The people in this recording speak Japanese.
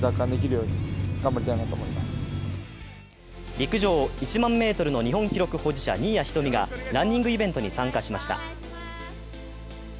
陸上１００００ｍの日本記録保持者・新谷仁美がランニングイベントに参加しました。